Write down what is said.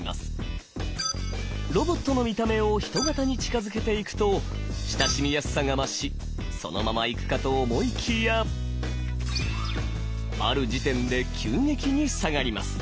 ロボットの見た目をヒト型に近づけていくと親しみやすさが増しそのままいくかと思いきやある時点で急激に下がります。